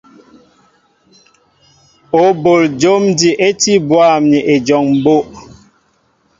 Ó bol jǒm ji é tí bwâm ni ejɔŋ mbó'.